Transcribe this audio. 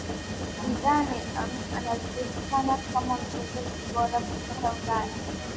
Zidane anajulikana kama mchezaji bora kutoka Ulaya